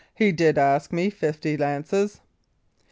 "He did ask me fifty lances."